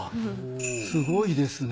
すごいですね